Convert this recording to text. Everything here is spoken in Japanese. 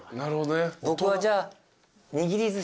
僕はじゃあ。